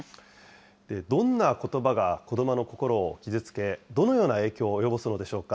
どんなことばが子どもの心を傷つけ、どのような影響を及ぼすのでしょうか。